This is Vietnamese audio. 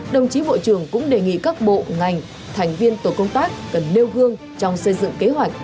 đồng chí bộ trưởng cũng đề nghị các bộ ngành thành viên tổ công tác cần nêu gương trong xây dựng kế hoạch